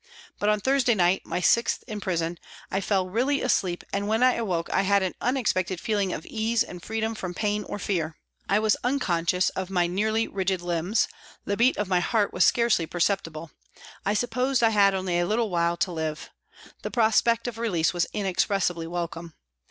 But on Thursday night, my sixth in prison, I fell really asleep and when I awoke I had an unexpected feeling of ease and freedom from pain or fear. I was unconscious of my nearly rigid limbs, the beat of my heart was scarcely perceptible ; I supposed I had only a little while to live. The prospect of release was inexpressibly welcome.